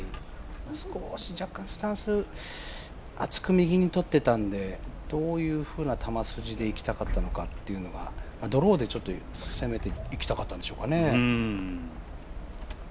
少し、若干スタンス厚く右にとってたんでどういうふうな球筋でいきたかったのかっていうのが、ドローで攻めていきたかったんでしょうかね。